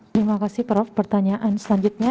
terima kasih prof pertanyaan selanjutnya